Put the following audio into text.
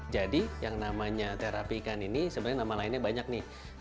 jadi yang namanya terapi ikan ini sebenarnya nama lainnya banyak nih